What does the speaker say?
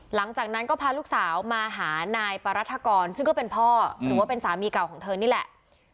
หลังจากนั้นก็พาลูกสาวมาหานายปรัฐกรซึ่งก็เป็นพ่อหรือว่าเป็นสามีเก่าของเธอนี่แหละ